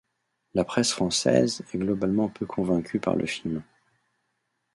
La presse française est globalement peu convaincue par le film.